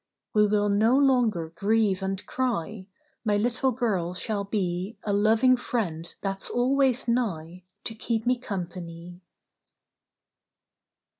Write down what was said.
"We will no longer grieve and cry; My little girl shall be A loving friend that's always nigh, To keep me company."